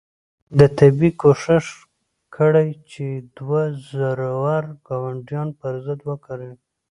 ده طبیعي کوښښ کړی چې دوه زورور ګاونډیان پر ضد وکاروي.